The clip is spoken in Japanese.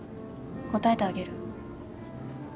答えてあげる。